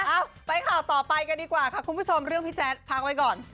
เอาไปข่าวต่อไปกันดีกว่าค่ะคุณผู้ชมเรื่องพี่แจ๊ดพักไว้ก่อน